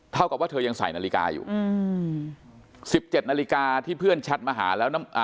เท่ากับว่าเธอยังใส่นาฬิกาอยู่๑๗นาฬิกาที่เพื่อนชัดมาหาแล้ว